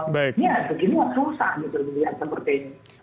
ya begini lah susah gitu